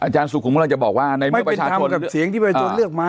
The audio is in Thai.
ไม่เป็นธรรมกับเสียงที่ประชาชนเลือกมา